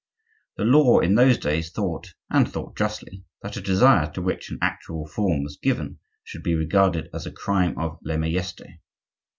The law in those days thought, and thought justly, that a desire to which an actual form was given should be regarded as a crime of lese majeste.